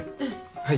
はい。